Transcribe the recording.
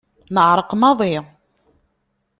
Neεreq maḍi.